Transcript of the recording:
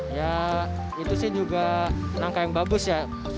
ya itu sih juga langkah yang bagus ya